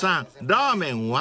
ラーメンは？］